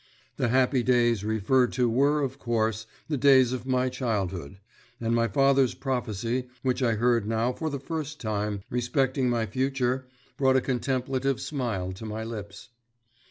The happy days referred to were, of course, the days of my childhood; and my father's prophecy, which I heard now for the first time, respecting my future, brought a contemplative smile to my lips.